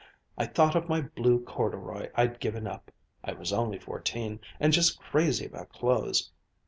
I thought of my blue corduroy I'd given up I was only fourteen and just crazy about clothes.